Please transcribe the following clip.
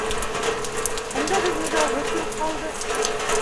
Бында беҙ миҙалһыҙ тороп ҡалдыҡ.